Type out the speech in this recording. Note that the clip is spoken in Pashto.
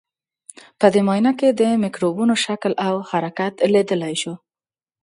په دې معاینه کې د مکروبونو شکل او حرکت لیدلای شو.